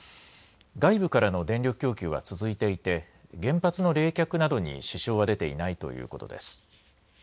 外部からの電力供給は続いていて、原発の冷却などに支障は出ていないということです。